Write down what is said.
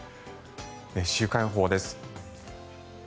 週間予報です。